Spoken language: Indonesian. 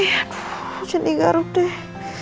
aduh jadi garut deh